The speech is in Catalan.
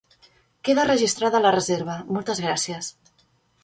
Queda registrada la reserva, moltes gràcies.